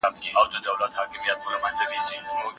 په پانګه وال نظام کي شتمني زیاتېږي.